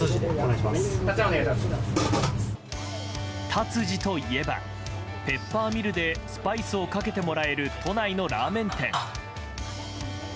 「タツジ」と言えばペッパーミルでスパイスをかけてもらえる都内のラーメン店。